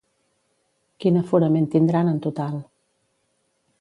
Quin aforament tindran en total?